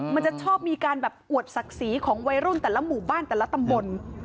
มันจะชอบมีการแบบอวดศักดิ์ศรีของวัยรุ่นแต่ละหมู่บ้านแต่ละตำบล